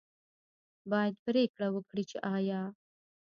باید پرېکړه وکړي چې آیا